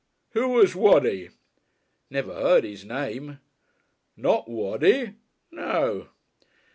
Who was Waddy?" "Never heard his name." "Not Waddy?" "No!"